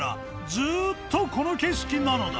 ずっとこの景色なのだ秬